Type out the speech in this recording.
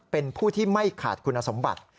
เป็นผู้ที่ไม่ขาดคุณสมบัติ